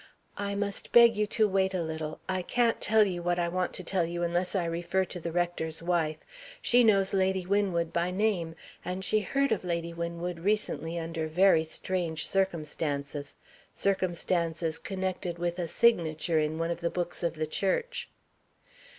"I must beg you to wait a little. I can't tell you what I want to tell you unless I refer to the rector's wife. She knows Lady Winwood by name. And she heard of Lady Winwood recently under very strange circumstances circumstances connected with a signature in one of the books of the church."